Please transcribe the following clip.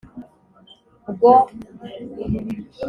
bwo